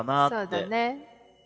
そうだね。